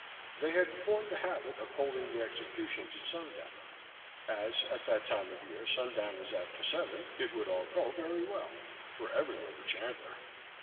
They had formed the habit of holding the executions at sundown. As, at that time of year, sundown was after seven, it would all go very well for everyone but Chandler.